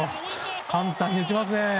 簡単に打ちますね。